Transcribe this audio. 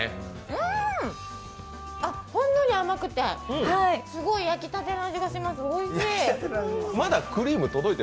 ほんのり甘くて、すごい焼きたての味がします、おいしい！